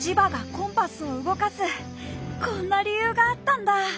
こんな理由があったんだ！